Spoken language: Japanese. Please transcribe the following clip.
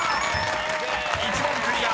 ［１問クリア！